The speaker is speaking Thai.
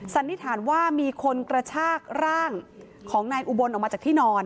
สันนิษฐานว่ามีคนกระชากร่างของนายอุบลออกมาจากที่นอน